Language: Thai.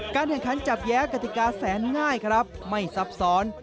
แข่งขันจับแย้กติกาแสนง่ายครับไม่ซับซ้อน